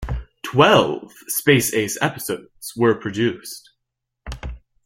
Twelve "Space Ace" episodes were produced.